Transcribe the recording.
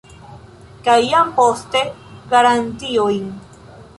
Kaj jam poste garantiojn.